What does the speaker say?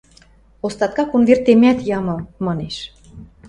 – Остатка конвертемӓт ямы! – манеш.